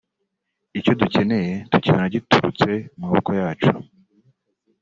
icyo dukeneye tukibona giturutse mu maboko yacu”